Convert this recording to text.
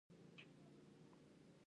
پښتون په خپله خپلواکۍ مین دی.